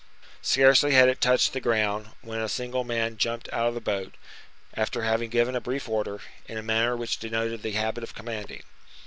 Scarcely had it touched the ground when a single man jumped out of the boat, after having given a brief order, in a manner which denoted the habit of commanding.